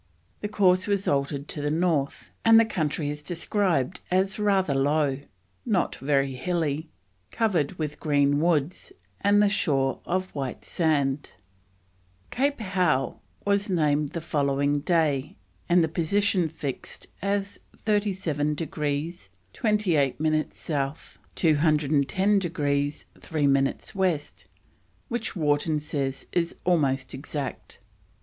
The course was altered to the north, and the country is described as rather low, not very hilly, covered with green woods, and the shore of white sand. Cape Howe was named the following day, and the position fixed as 37 degrees 28 minutes South, 210 degrees 3 minutes West, which Wharton says is almost exact.